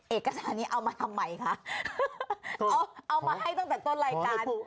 เอกสารนี้เอามาทำไมคะเอามาให้ตั้งแต่ต้นรายการ